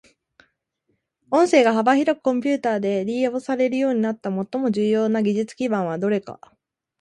音声が幅広くコンピュータで利用されるようになった最も重要な技術基盤はどれか。